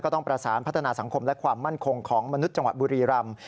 ต้องประสานพัฒนาสังคมและความมั่นคงของมนุษย์จังหวัดบุรีรำ